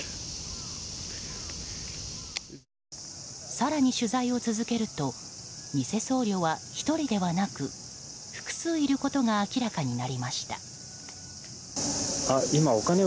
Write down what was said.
更に取材を続けるとニセ僧侶は１人ではなく複数いることが明らかになりました。